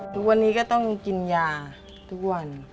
ทุกวันนี้ก็ต้องกินยาทุกวัน